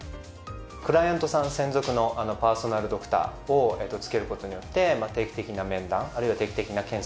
クライアントさん専属のパーソナルドクターをつける事によって定期的な面談あるいは定期的な検査をしていきます。